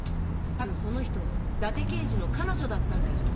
多分その人伊達刑事の彼女だったんだよ。